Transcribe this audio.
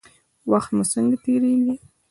وخت مو څنګه تیریږي؟